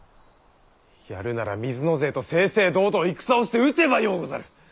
やるなら水野勢と正々堂々戦をして討てばようござる。